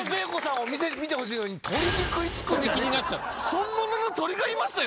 本物の鳥がいましたよ